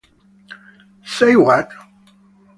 Say What?